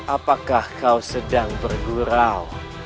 apakah kau sedang bergurau